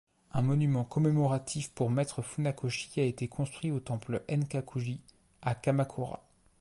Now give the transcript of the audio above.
Un monument commémoratif pour Maître Funakoshi a été construit au temple Enkakuji, à Kamakura.